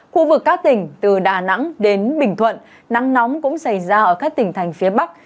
khu vực các tỉnh từ đà nẵng đến bình thuận nắng nóng cũng xảy ra ở các tỉnh thành phía bắc